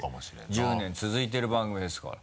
１０年続いてる番組ですから。